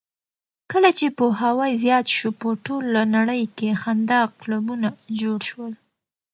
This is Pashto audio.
کله چې پوهاوی زیات شو، په ټوله نړۍ کې خندا کلبونه جوړ شول.